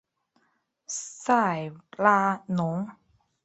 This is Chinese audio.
塞拉农。